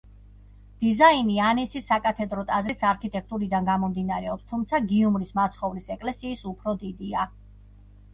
დიზაინი ანისის საკათედრო ტაძრის არქიტექტურიდან გამომდინარეობს, თუმცა გიუმრის მაცხოვრის ეკლესიის უფრო დიდია.